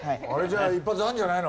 一発あるんじゃないの？